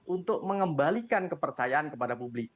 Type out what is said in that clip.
untuk mengembalikan kepercayaan kepada publik